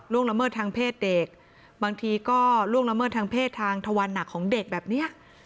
ละเมิดทางเพศเด็กบางทีก็ล่วงละเมิดทางเพศทางทวันหนักของเด็กแบบนี้